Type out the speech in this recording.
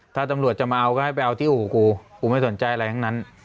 ถ้าตำรวจจะมาเอาก็ให้ไปเอาที่อู่กูกูไม่สนใจอะไรทั้งนั้น